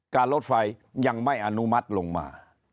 การรถไฟยังไม่อนุมัติลงมา